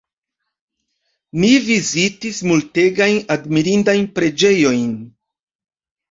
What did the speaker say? Ni vizitis multegajn admirindajn preĝejojn.